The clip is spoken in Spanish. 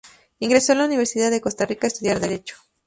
Ingresó en la Universidad de Costa Rica a estudiar Derecho.